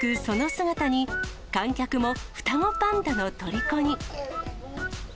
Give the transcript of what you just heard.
その姿に、観客も双子パンダのとりこに。